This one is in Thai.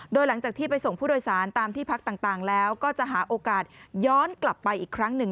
โดยหลังจากที่ไปส่งผู้โดยสารตามที่พักต่างแล้วก็จะหาโอกาสย้อนกลับไปอีกครั้งหนึ่ง